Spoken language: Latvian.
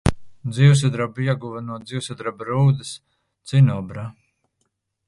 Dzīvsudrabu ieguva no dzīvsudraba rūdas – cinobra.